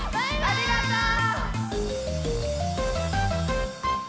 ありがとう！